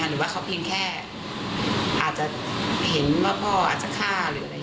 หรือว่าเขาเพียงแค่อาจจะเห็นว่าพ่ออาจจะฆ่าหรืออะไรอย่างนี้